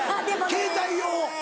携帯用。